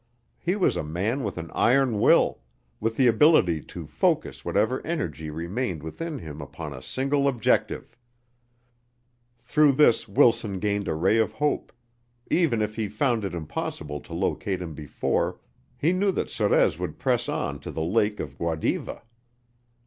He was a man with an iron will, with the ability to focus whatever energy remained within him upon a single objective. Through this Wilson gained a ray of hope; even if he found it impossible to locate him before, he knew that Sorez would press on to the lake of Guadiva.